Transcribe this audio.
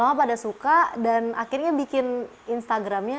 terus aku pada suka dan akhirnya bikin instagramnya